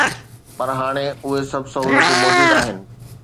پر هاڻي اهي سڀ سهولتون موجود آهن.